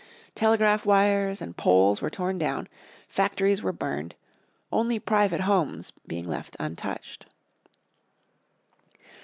Telegraph wires and poles were torn down, factories were burned, only private homes being left untouched.